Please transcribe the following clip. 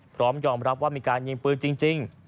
พร้อมยอมรับว่ามีการยิงปืนจริง